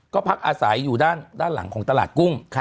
ก็พักอาศัยอยู่ด้านหลังของตลาดกุ้ง